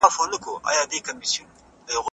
ټولنپوهان د ټولنې لارښوونکي دي.